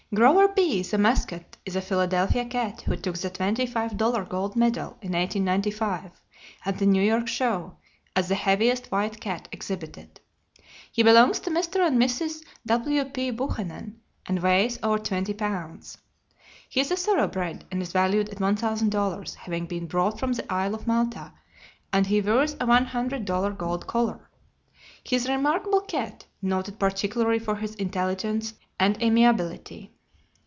Grover B., the Mascotte, is a Philadelphia cat who took the twenty five dollar gold medal in 1895, at the New York show, as the heaviest white cat exhibited. He belongs to Mr. and Mrs. W.P. Buchanan, and weighs over twenty pounds. He is a thoroughbred, and is valued at one thousand dollars, having been brought from the Isle of Malta, and he wears a one hundred dollar gold collar. He is a remarkable cat, noted particularly for his intelligence and amiability.